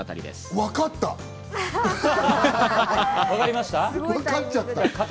わかっちゃった！